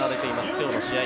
今日の試合。